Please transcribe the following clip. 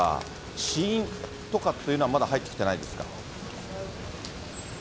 死因とかっていうのは、まだ入ってきてないですか。